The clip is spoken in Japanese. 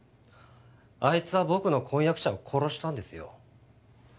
あいつは僕の婚約者を殺したんですよ